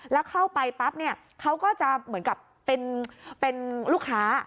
แล้วเข้าไปปั๊บเนี่ยเขาก็จะเหมือนกับเป็นลูกค้า